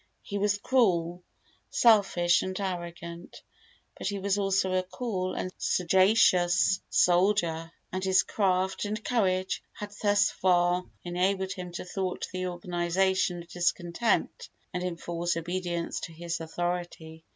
He was cruel, selfish and arrogant; but he was also a cool and sagacious soldier, and his craft and courage had thus far enabled him to thwart the organization of discontent and enforce obedience to his authority.